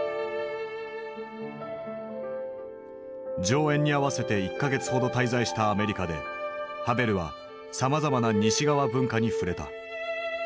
上演に合わせて１か月ほど滞在したアメリカでハヴェルはさまざまな西側文化に触れた。